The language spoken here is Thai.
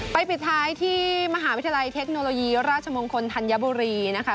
ปิดท้ายที่มหาวิทยาลัยเทคโนโลยีราชมงคลธัญบุรีนะคะ